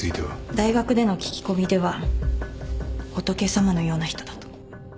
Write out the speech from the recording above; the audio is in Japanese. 大学での聞き込みでは仏様のような人だと。